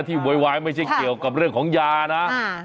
โวยวายไม่ใช่เกี่ยวกับเรื่องของยานะ